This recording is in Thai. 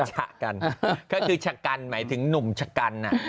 ฉะกันก็คือชะกันหมายถึงหนุ่มชะกัน